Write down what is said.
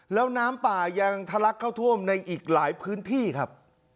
แล้วน้ำป่ายังทะลักเข้าท่วมในอีกหลายพื้นที่ครับ